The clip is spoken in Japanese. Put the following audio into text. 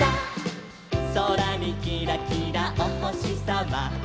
「そらにキラキラおほしさま」